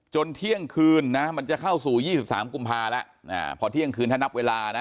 เที่ยงคืนนะมันจะเข้าสู่๒๓กุมภาแล้วพอเที่ยงคืนถ้านับเวลานะ